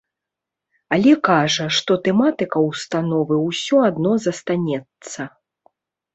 Але кажа, што тэматыка ўстановы ўсё адно застанецца.